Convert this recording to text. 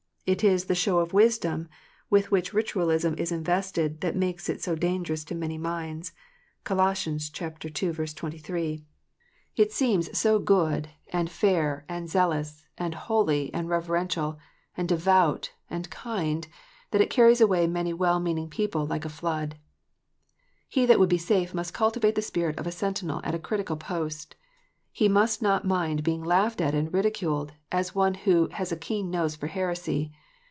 It is the "show of wisdom " with which Ritualism is invested that makes it so dangerous to many minds. (Col. ii. 23.) It seems so good, APOSTOLIC FEARS. 393 and fair, and zealous, and holy, and reverential, and devout, and kind, that it carries away many well meaning people like a flood. He that would be safe must cultivate the spirit of a sentinel at a critical post. He must not mind being laughed at and ridiculed, as one who "has a keen nose for heresy."